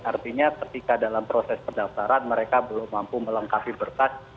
artinya ketika dalam proses pendaftaran mereka belum mampu melengkapi berkas